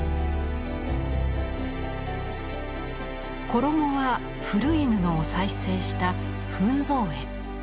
衣は古い布を再生した糞掃衣。